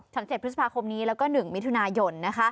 ๗พฤษภาคมนี้แล้วก็๑มิถุนายน